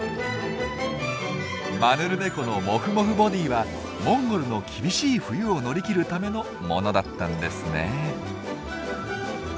マヌルネコのモフモフボディーはモンゴルの厳しい冬を乗り切るためのものだったんですね。